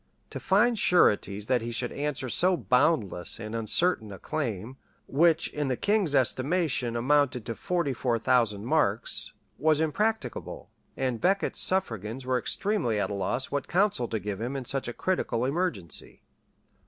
To find sureties that he should answer so boundless and uncertain a claim, which in the king's estimation amounted to forty four thousand marks,[] was impracticable; and Becket's suffragans were extremely at a loss what counsel to give him in such a critical emergency.